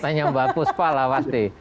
tanya mbak puspa lah pasti